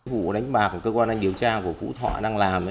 vụ đánh bạc của cơ quan anh điều tra của phú thọ đang làm